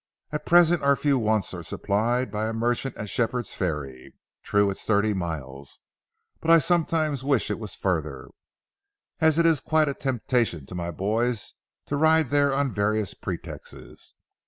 At present our few wants are supplied by a merchant at Shepherd's Ferry. True, it's thirty miles, but I sometimes wish it was farther, as it is quite a temptation to my boys to ride down there on various pretexts.